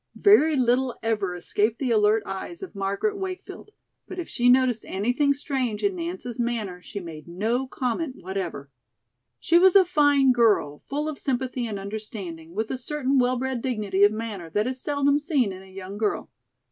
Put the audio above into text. Very little ever escaped the alert eyes of Margaret Wakefield; but if she noticed anything strange in Nance's manner, she made no comment whatever. She was a fine girl, full of sympathy and understanding, with a certain well bred dignity of manner that is seldom seen in a young girl.